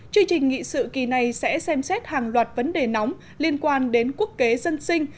chương trình nghị sự kỳ này sẽ xem xét hàng loạt vấn đề nóng liên quan đến quốc kế dân sinh